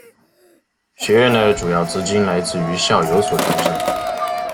学院的主要资金来自于校友所捐赠。